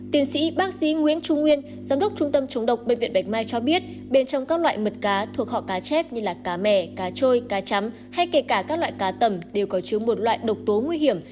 tiến sĩ bác sĩ nguyễn trung nguyên giám đốc trung tâm chống độc bệnh viện bạch mai cho biết bên trong các loại mật cá thuộc họ cá chép như cá mẻ cá trôi cá chấm hay kể cả các loại cá tầm đều có chứa một loại độc tố nguy hiểm